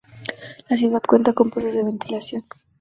La ciudad cuenta con pozos de ventilación.